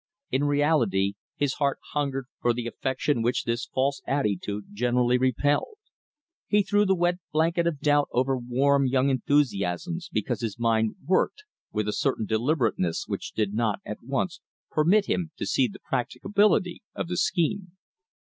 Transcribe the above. In reality his heart hungered for the affection which this false attitude generally repelled. He threw the wet blanket of doubt over warm young enthusiasms because his mind worked with a certain deliberateness which did not at once permit him to see the practicability of the scheme.